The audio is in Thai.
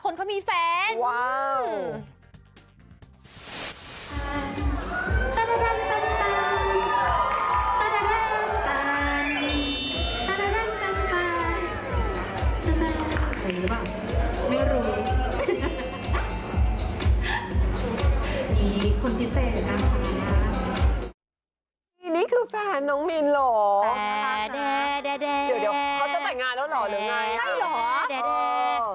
นี่คือแฟนน้องมีนเหรอเดี๋ยวเขาจะแต่งงานแล้วเหรอ